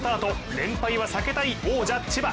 連敗は避けたい、王者・千葉。